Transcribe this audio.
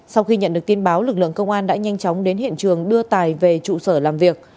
sau khi nhận được tin báo lực lượng công an đã nhanh chóng đến hiện trường đưa tài về trụ sở làm việc